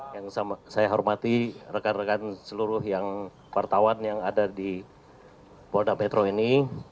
yang saya hormati rekan rekan seluruh yang wartawan yang ada di polda metro ini